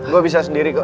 gue bisa sendiri kok